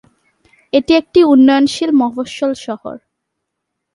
এটি একটি উন্নয়নশীল মফস্বল শহর।